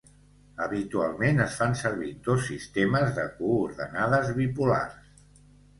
Habitualment es fan servir dos sistemes de coordenades bipolars.